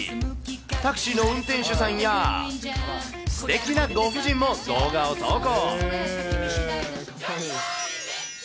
タクシーの運転手さんや、すてきなご婦人も動画を投稿。